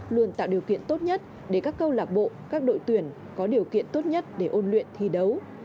luôn tạo điều kiện tốt nhất để các câu lạc bộ các đội tuyển có điều kiện tốt nhất để ôn luyện thi đấu